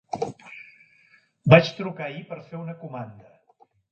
Vaig trucar ahir per fer una comanda.